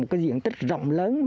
một cái diện tích rộng lớn